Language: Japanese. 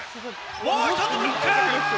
もう１つブロック。